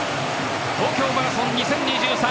東京マラソン２０２３